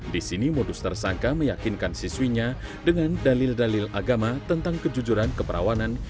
di sini modus tersangka meyakinkan siswinya dengan dalil dalil agama tentang kejujuran keperawanan